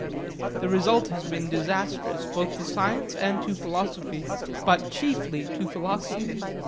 The result has been disastrous both to science and to philosophy, but chiefly to philosophy.